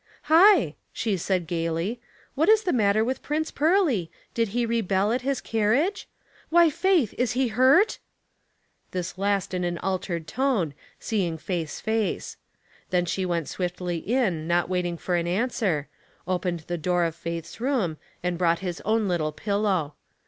" Hi !" she said, gayly, " what is the matter with Prince Pearly ? Did he rebel at his car riage? Wh}^ Faith, is he hurt? " This last in an altered tone, seeing Faith's face. Then she went swiftly in, not waiting for Good's Mystery of Grace. 323 an answer, opened the door of Faith's room, and brought his own little pillow.